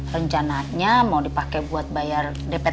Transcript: rencananya mau dipake buat bayar depresi